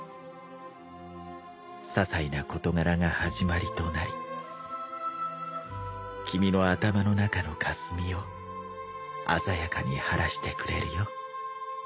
ささいな事柄が始まりとなり君の頭の中の霞を鮮やかに晴らしてくれるよ。